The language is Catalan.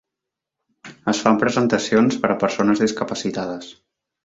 Es fan presentacions per a persones discapacitades.